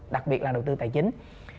đặc biệt là đầu tư tài chính